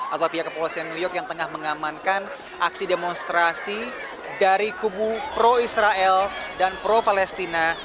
atau pihak kepolisian new york yang tengah mengamankan aksi demonstrasi dari kubu pro israel dan pro palestina